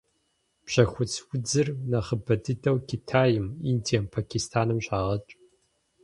Бжьэхуц удзыр нэхъыбэ дыдэу Китайм, Индием, Пакистаным щагъэкӏ.